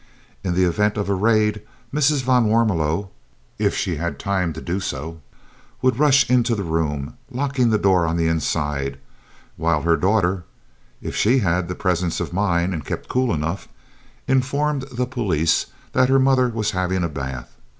In the event of a raid, Mrs. van Warmelo (if she had time to do so) would rush into the room, locking the door on the inside, while her daughter (if she had the presence of mind and kept cool enough) informed the police that her mother was having a bath.